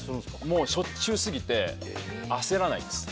もうしょっちゅう過ぎて焦らないです。